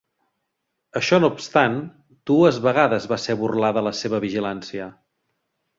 Això no obstant, dues vegades va ser burlada la seva vigilància.